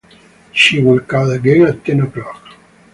She will call again at ten o'clock.